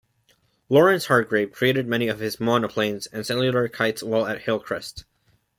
Lawrence Hargrave created many of his monoplanes and cellular kites while at 'Hillcrest'.